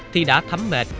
thì đã thấm mệt